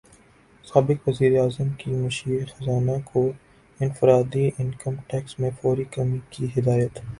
سابق وزیراعظم کی مشیر خزانہ کو انفرادی انکم ٹیکس میں فوری کمی کی ہدایت